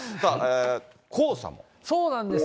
そうなんです。